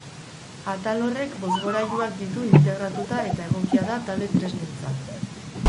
Atal horrek bozgorailuak ditu integratuta eta egokia da tablet tresnentzat.